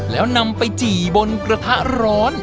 แล้วนำไปจี่บนกระทะร้อน